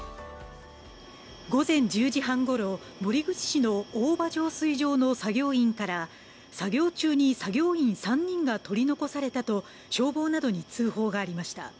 午前１０時半ごろ、守口市の大庭浄水場の作業員から、作業中に作業員３人が取り残されたと消防などに通報がありました。